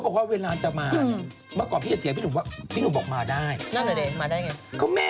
เค้าทนเยี่ยมอย่างไรคะ